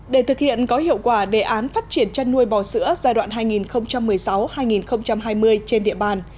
để thực hiện có hiệu quả đề án phát triển chăn nuôi bò sữa giai đoạn hai nghìn một mươi sáu hai nghìn hai mươi trên địa bàn